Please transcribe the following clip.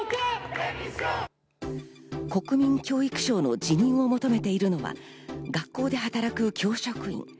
国民教育相の辞任を求めているのは学校で働く教職員。